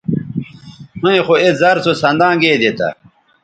ھویں خو اے زر سو سنداں گیدے تھا